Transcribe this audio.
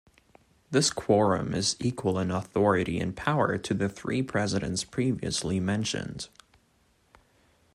This quorum is equal in authority and power to the three presidents previously mentioned.